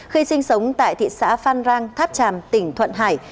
khi sinh sống tại thị xã phan rang tháp tràm tỉnh thuận hải